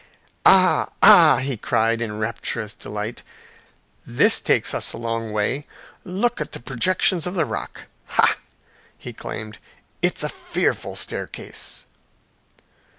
"Ah, ah!" he cried, in rapturous delight; "this will take us a long way. Look at the projections of the rock. Hah!" he exclaimed, "it's a fearful staircase!"